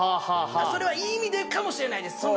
それはいい意味でかもしれないです